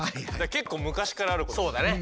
結構昔からあることですよね。